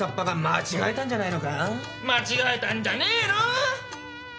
間違えたんじゃねえの？